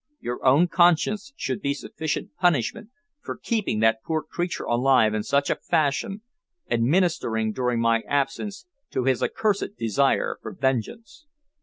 Your own conscience should be sufficient punishment for keeping that poor creature alive in such a fashion and ministering during my absence to his accursed desire for vengeance."